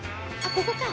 ここか。